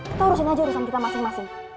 kita urusin aja urusan kita masing masing